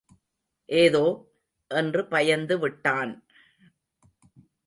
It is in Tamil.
ஏதோ? என்று பயந்துவிட்டான்.